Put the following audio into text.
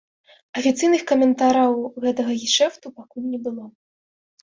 Афіцыйных каментараў гэтага гешэфту пакуль не было.